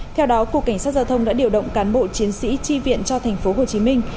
theo đó cục cảnh sát giao thông đã điều động cán bộ chiến sĩ chi viện cho thành phố hồ chí minh